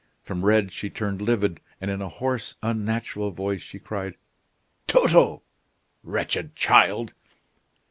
From red she turned livid, and in a hoarse, unnatural voice, she cried: "Toto! wretched child!"